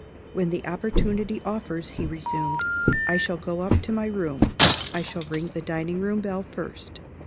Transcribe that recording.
"When the opportunity offers," he resumed, "I shall go up to my room. I shall ring the dining room bell first.